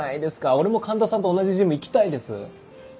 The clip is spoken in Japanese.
俺も環田さんと同じジム行きたいです。